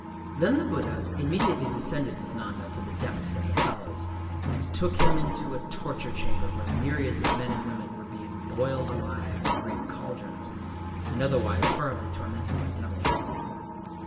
Sâkyamuni. "Then the Buddha immediately descended with Nanda to the depths of the hells, and took him into a torture chamber where myriads of men and women were being boiled alive in great caldrons, and otherwise horribly tormented by devils.